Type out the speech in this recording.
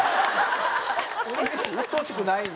うっとうしくないの？